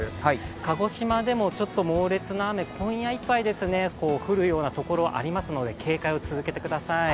鹿児島でも猛烈な雨、今夜いっぱい降るようなところがありますので警戒を続けてください。